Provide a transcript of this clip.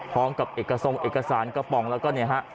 พร้อมกับเอกทรงเอกสารกระป๋องแล้วก็เนี่ยฮะ